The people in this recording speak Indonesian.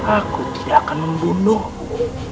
aku tidak akan membunuhmu